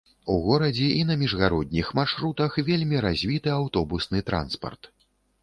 У горадзе і на міжгародніх маршрутах вельмі развіты аўтобусны транспарт.